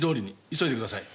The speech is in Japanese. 急いでください。